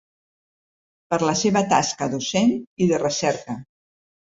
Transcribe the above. Per la seva tasca docent i de recerca.